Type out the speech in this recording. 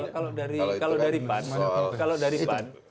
kalau dari pan